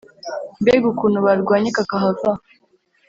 Mbega ukuntu barwanye kakahava